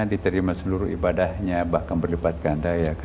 diterima seluruh ibadahnya bahkan berlipat ganda